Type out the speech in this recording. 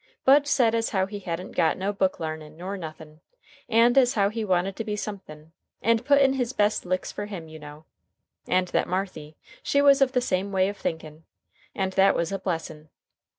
Bud said as how as he hadn't got no book larnin' nor nothin', and as how as he wanted to be somethin', and put in his best licks fer Him, you know'. And that Marthy, she was of the same way of thinkin', and that was a blessin'.